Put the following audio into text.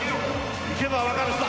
行けば分かるさ。